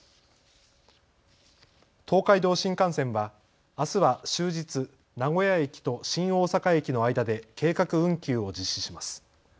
東海道新幹線はあすは終日、名古屋駅と新大阪駅の間で計画運休を実施します。